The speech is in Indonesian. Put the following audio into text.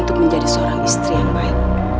untuk menjadi seorang istri yang baik